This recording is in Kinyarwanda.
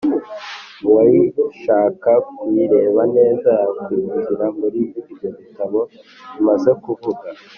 Uwayishaka kuyireba neza ,yakwirukira muri ibyo bitabo tumaze kuvuga.